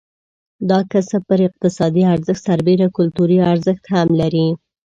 دا کسب پر اقتصادي ارزښت سربېره کلتوري ارزښت هم لري.